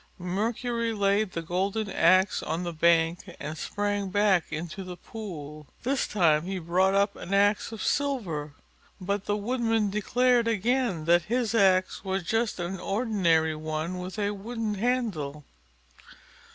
Mercury laid the golden axe on the bank and sprang back into the pool. This time he brought up an axe of silver, but the Woodman declared again that his axe was just an ordinary one with a wooden handle.